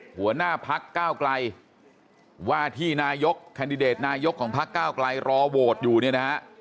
หัวหน้าพักก้าวไกลว่าที่นายกแคนดิเดตนายกของพักเก้าไกลรอโหวตอยู่เนี่ยนะฮะ